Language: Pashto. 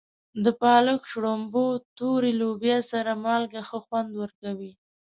د پالک، شړومبو، تورې لوبیا سره مالګه ښه خوند ورکوي.